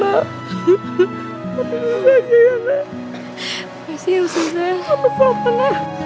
anaknya sudah bangun